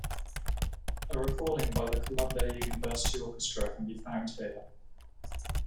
A recording by the Columbia University Orchestra can be found here.